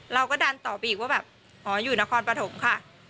เราก็ดันต่อไปอีกว่าแบบอ๋ออยู่นครปฐมค่ะ